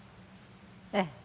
ええ。